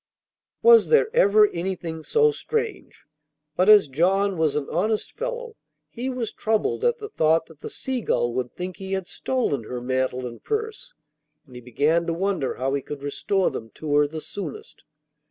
Was there ever anything so strange? But as John was an honest fellow, he was troubled at the thought that the Seagull would think he had stolen her mantle and purse. And he began to wonder how he could restore them to her the soonest.